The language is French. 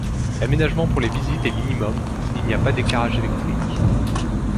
L'aménagement pour les visites est minimum, il n'y a pas d'éclairage électrique.